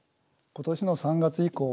今年の３月以降